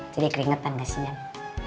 jadi keringetan gak sih jamu